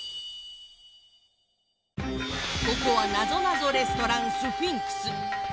ここはなぞなぞレストランスフィンクス。